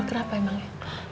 kenapa emang ya